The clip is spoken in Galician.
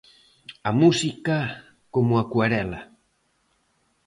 A música como acuarela.